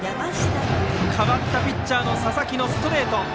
代わったピッチャーの佐々木のストレート。